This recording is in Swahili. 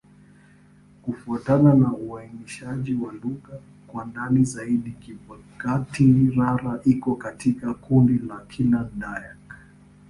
Kufuatana na uainishaji wa lugha kwa ndani zaidi, Kibakati'-Rara iko katika kundi la Kiland-Dayak.